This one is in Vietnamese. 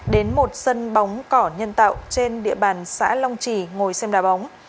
đến một sân bóng cỏ nhân tạo trên địa bàn xã long trì ngồi xem đà bóng